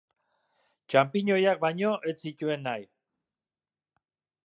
Txanpiñoiak baino ez zituen nahi.